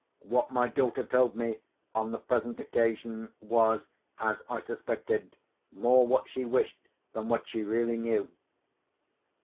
What my daughter told me, on the present occasion, was, as I suspected, more what she wished than what she really knew.